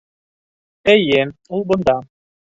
Эйе, ул бында.